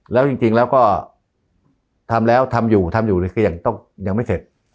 แล้วจริงแล้วก็ทำแล้วทำอยู่ทำอยู่ในเสี่ยงต้องยังไม่เสร็จ